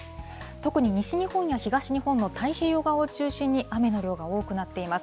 特に西日本や東日本の太平洋側を中心に、雨の量が多くなっています。